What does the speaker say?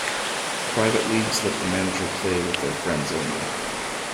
Private leagues let the manager play with their friends only.